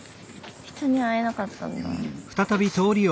人に会えなかったんだ。